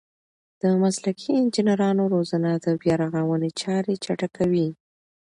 د مسلکي انجنیرانو روزنه د بیارغونې چارې چټکوي.